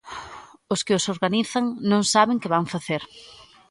Os que os organizan non saben que van facer.